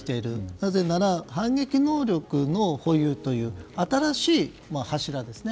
なぜなら、反撃能力の保有という新しい柱ですね。